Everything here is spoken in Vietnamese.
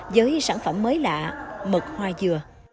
với sản phẩm mới lạ mật hoa dừa